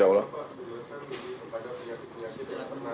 terdapat luka luka apa pak